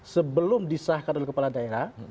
sebelum disahkan oleh kepala daerah